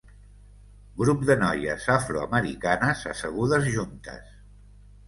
Grup de noies afroamericanes assegudes juntes.